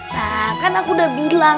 nah kan aku udah bilang